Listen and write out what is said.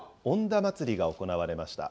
祭が行われました。